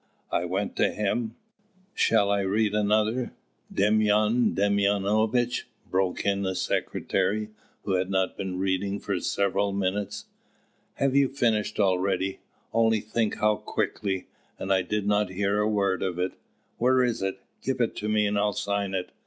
I went to him " "Shall I read another, Demyan Demyanovitch?" broke in the secretary, who had not been reading for several minutes. "Have you finished already? Only think how quickly! And I did not hear a word of it! Where is it? Give it me and I'll sign it.